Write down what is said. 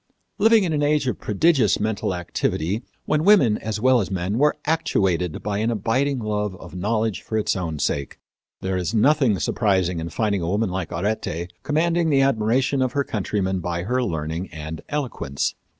Living in an age of prodigious mental activity, when women, as well as men, were actuated by an abiding love of knowledge for its own sake, there is nothing surprising in finding a woman like Arete commanding the admiration of her countrymen by her learning and eloquence.